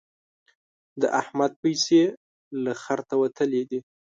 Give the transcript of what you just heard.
د احمد پيسې له خرته وتلې دي.